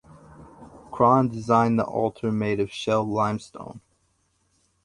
Krahn designed the altar made of shell limestone.